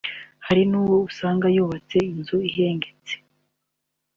Hari n’uwo usanga yubatse inzu ihengetse